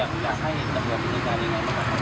อยากให้เห็นตำรวจมูลการยังไงบ้าง